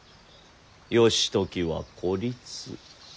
義時は孤立。